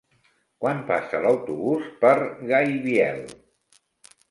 Quan passa l'autobús per Gaibiel?